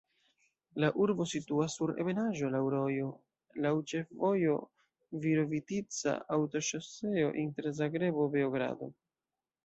La urbo situas sur ebenaĵo, laŭ rojo, laŭ ĉefvojo Virovitica-aŭtoŝoseo inter Zagrebo-Beogrado.